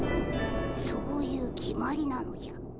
そういう決まりなのじゃ。